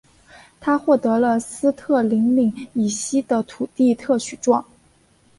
他获得了斯特林岭以西的土地特许状。